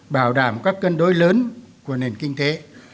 bảo đảm các cân đối lớn của nền kinh tế